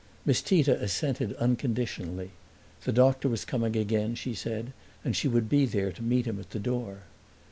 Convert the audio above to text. Miss Tita assented unconditionally; the doctor was coming again, she said, and she would be there to meet him at the door.